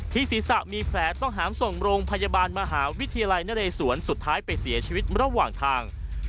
ศีรษะมีแผลต้องหามส่งโรงพยาบาลมหาวิทยาลัยนเรศวรสุดท้ายไปเสียชีวิตระหว่างทาง